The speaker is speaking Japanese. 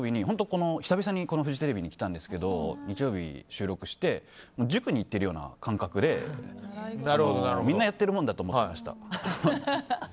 今日久々にフジテレビに来たんですけど日曜日に収録して塾に行っているような感覚でみんなやっているものだと思っていました。